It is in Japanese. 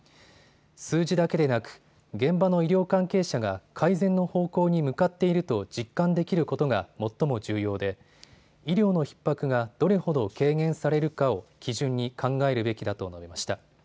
数字だけでなく現場の医療関係者が改善の方向に向かっていると実感できることが最も重要で医療のひっ迫がどれほど軽減されるかを基準に考えるべきだと述べました。